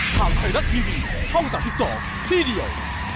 ทางไทยรัฐทีวีช่อง๓๒ที่เดียว